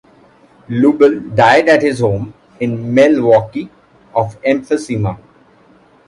Lubell died at his home in Milwaukee of emphysema.